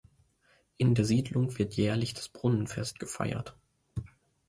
In der Siedlung wird jährlich das "Brunnenfest" gefeiert.